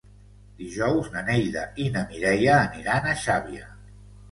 Dijous na Neida i na Mireia aniran a Xàbia.